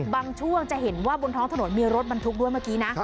ช่วงจะเห็นว่าบนท้องถนนมีรถบรรทุกด้วยเมื่อกี้นะ